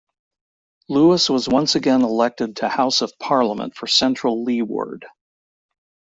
Louis was once again elected to house of parliament for Central Leeward.